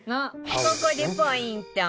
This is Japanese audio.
ここでポイント